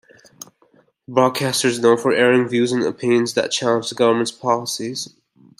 The broadcaster is known for airing views and opinions that challenge the government's policies.